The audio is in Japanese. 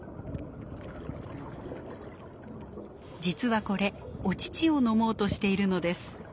実はこれお乳を飲もうとしているのです。